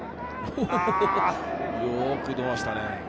よく出ましたね。